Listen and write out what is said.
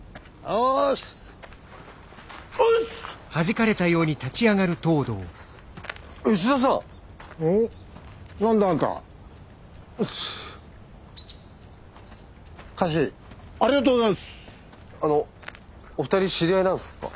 あのお二人知り合いなんですか？